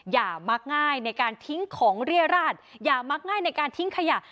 มักง่ายในการทิ้งของเรียราชอย่ามักง่ายในการทิ้งขยะ